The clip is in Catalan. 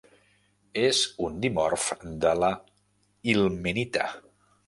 És un dimorf de la ilmenita.